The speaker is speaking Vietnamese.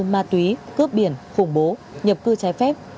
ma túy cướp biển khủng bố nhập cư trái phép